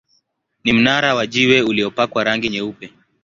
Ni mnara wa jiwe uliopakwa rangi nyeupe.